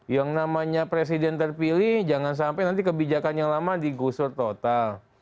yang namanya presiden terpilih jangan sampai nanti kebijakan yang lama digusur total